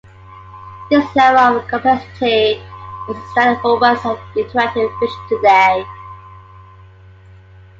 This level of complexity is the standard for works of interactive fiction today.